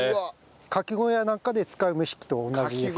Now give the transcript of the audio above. カキ小屋なんかで使う蒸し器と同じです。